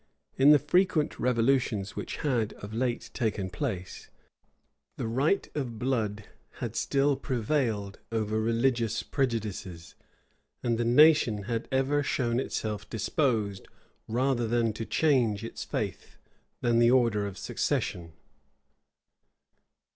In the frequent revolutions which had of late taken place, the right of blood had still prevailed over religious prejudices; and the nation had ever shown itself disposed rather to change its faith than the order of succession.